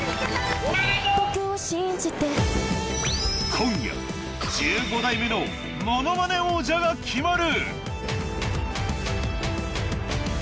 今夜１５代目のものまね王者が決まる！